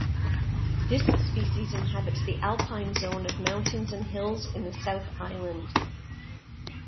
This species inhabits the alpine zone of mountains and hills in the South Island.